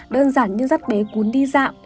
đơn giản như dắt bé cuốn đi dạo